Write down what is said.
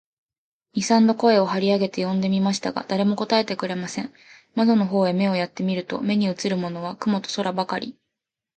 二三度声を張り上げて呼んでみましたが、誰も答えてくれません。窓の方へ目をやって見ると、目にうつるものは雲と空ばかり、